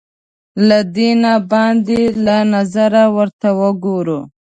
له دینه باندې له نظره ورته وګورو